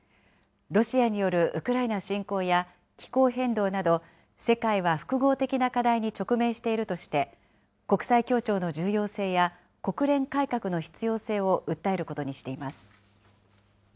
ロシアによるウクライナ侵攻や気候変動など、世界は複合的な課題に直面しているとして、国際協調の重要性や国連改革の必要性を訴えることにしています。